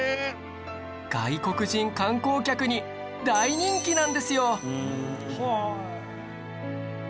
外国人観光客に大人気なんですよ！